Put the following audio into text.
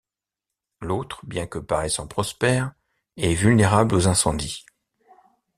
L'autre, bien que paraissant prospère, est vulnérable aux incendies.